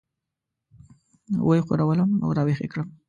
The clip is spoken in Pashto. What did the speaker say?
وه یې ښورولم او راويښ یې کړم.